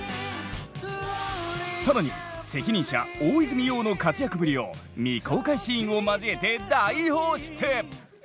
更に責任者・大泉洋の活躍ぶりを未公開シーンを交えて大放出！